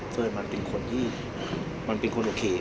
พี่อัดมาสองวันไม่มีใครรู้หรอก